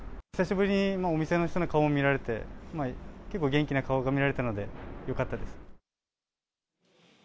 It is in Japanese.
久しぶりにお店の人の顔を見られて、結構、元気な顔が見られたので、よかったです。